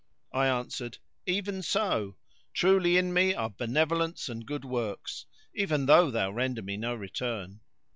I answered, "Even so; truly in me are benevolence and good works, even though thou render me no return."